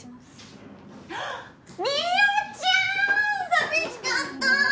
寂しかった！